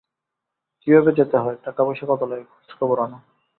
কীভাবে যেতে হয়, টাকাপয়সা কত লাগে খোঁজখবর আন।